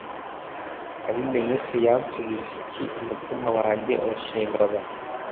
abimenye se yansubiziki umutima wanjye urashengabara